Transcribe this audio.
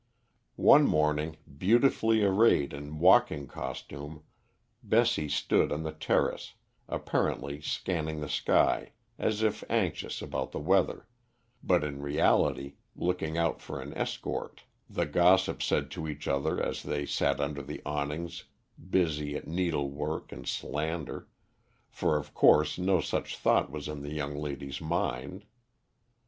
One morning, beautifully arrayed in walking costume, Bessie stood on the terrace, apparently scanning the sky as if anxious about the weather, but in reality looking out for an escort, the gossips said to each other as they sat under the awnings busy at needlework and slander, for of course no such thought was in the young lady's mind.